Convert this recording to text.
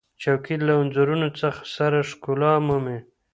چوکۍ له انځورونو سره ښکلا مومي.